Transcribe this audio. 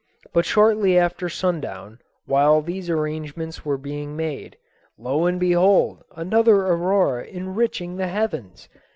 But shortly after sundown, while these arrangements were being made, lo and behold another aurora enriching the heavens!